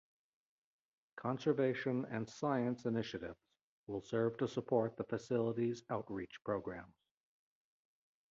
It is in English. Conservation and science initiatives will serve to support the facility's outreach programs.